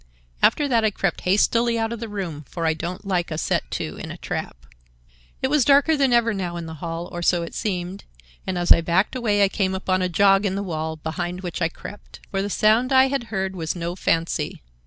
After that I crept hastily out of the room, for I don't like a set to in a trap. "It was darker than ever now in the hall, or so it seemed, and as I backed away I came upon a jog in the wall, behind which I crept. For the sound I had heard was no fancy.